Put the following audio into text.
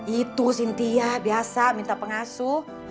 itu sintia biasa minta pengasuh